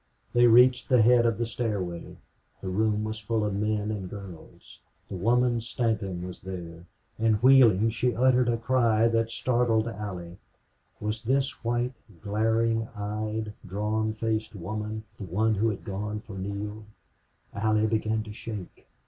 They reached the head of the stairway. The room was full of men and girls. The woman Stanton was there and, wheeling, she uttered a cry that startled Allie. Was this white, glaring eyed, drawn faced woman the one who had gone for Neale? Allie began to shake.